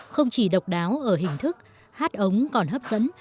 không chỉ độc đáo ở hình thức hát ống còn hấp dẫn